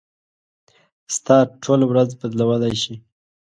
ستا ټوله ورځ بدلولی شي.